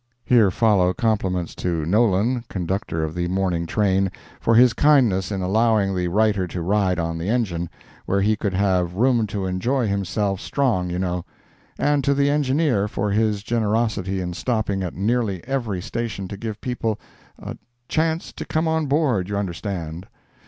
Here follow compliments to Nolan, Conductor of the morning train, for his kindness in allowing the writer to ride on the engine, where he could have "room to enjoy himself strong, you know," and to the Engineer for his generosity in stopping at nearly every station to give people a "chance to come on board, you understand."